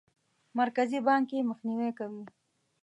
مرکزي بانک یې مخنیوی کوي.